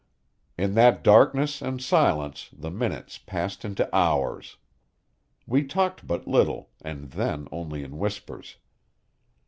In that darkness and silence the minutes passed into hours. We talked but little, and then only in whispers.